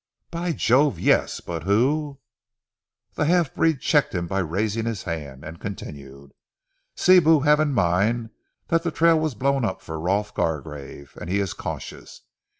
"By Jove, yes! But who " The half breed checked him by raising his hand, and continued, "Sibou hav' in mind dat ze trail was blown up for Rolf Gargrave, and he is cautious.